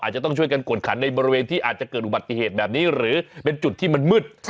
อาจจะต้องช่วยกันกวดขันในบริเวณที่อาจจะเกิดอุบัติเหตุแบบนี้หรือเป็นจุดที่มันมืด